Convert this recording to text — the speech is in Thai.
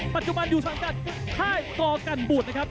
ปัจจุบันอยู่สังกัดค่ายกอกันบุตรนะครับ